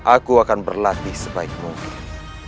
aku akan berlatih sebaik mungkin